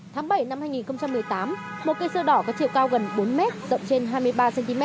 tháng bảy năm hai nghìn một mươi tám một cây xưa đỏ có chiều cao gần bốn m rộng trên hai mươi ba cm